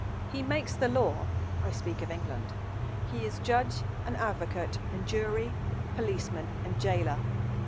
He makes the law (I speak of England); he is judge and advocate and jury, policeman and jailer.